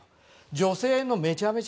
女性のめちゃめちゃ